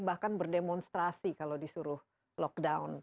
bahkan berdemonstrasi kalau disuruh lockdown